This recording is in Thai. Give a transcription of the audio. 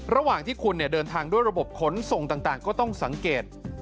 ระหว่างที่คุณเดินทางด้วยระบบขนส่งต่างก็ต้องสังเกต